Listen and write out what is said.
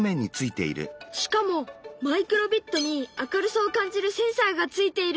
しかもマイクロビットに明るさを感じるセンサーがついているんだ。